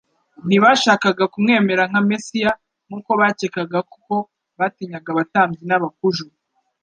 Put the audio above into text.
Ntibashakaga kumwemera nka Mesiya, nk'uko bakekaga kuko batinyaga abatambyi n'abakuju,